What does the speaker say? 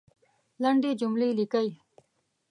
لندي جملې لیکئ !